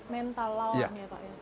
mental lawan ya pak ya